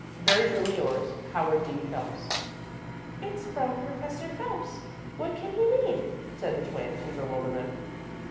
Very truly yours, HOWARD D. PHELPS. "It's from Professor Phelps what can he mean?" said the Twin, in bewilderment.